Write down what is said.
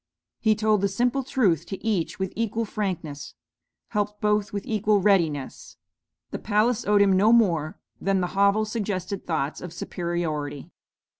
He told the simple truth to each with equal frankness; helped both with equal readiness. The palace owed him no more than the hovel suggested thoughts of superiority.